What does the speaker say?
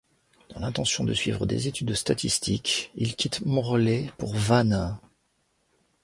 Dans l'intention de suivre des études de statistiques, il quitte Morlaix pour Vannes.